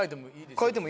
変えても。